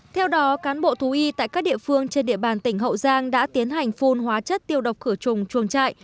theo đó cán bộ thú y tại các địa phương trên địa bàn tỉnh hậu giang đã tiến hành phun hóa chất tiêu độc khử trùng chuồng trại